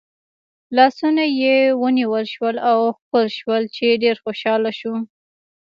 لاسونه یې ونیول شول او ښکل شول چې ډېره خوشحاله شوه.